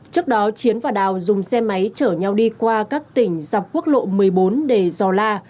trước đó chiến và đào dùng xe máy chở nhau đi qua các tỉnh dọc quốc lộ một mươi bốn để giò la